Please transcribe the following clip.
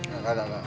gak ada bang